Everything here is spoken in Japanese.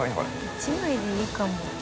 １枚でいいかも。